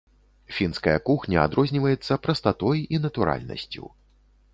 Фінская кухня адрозніваецца прастатой і натуральнасцю.